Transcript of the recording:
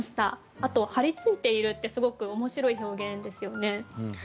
あと「貼り付いている」ってすごく面白い表現ですよね。